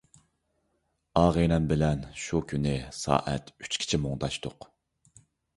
ئاغىنەم بىلەن شۇ كۈنى سائەت ئۈچكىچە مۇڭداشتۇق.